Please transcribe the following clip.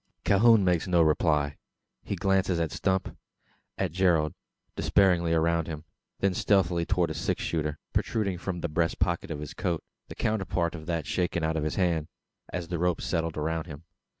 Calhoun makes no reply. He glances at Stump at Gerald despairingly around him; then stealthily towards a six shooter, protruding from the breast pocket of his coat the counterpart of that shaken out of his hand, as the rope settled around him.